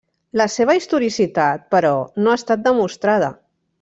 La seva historicitat, però, no ha estat demostrada.